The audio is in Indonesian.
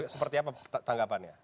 seperti apa tanggapannya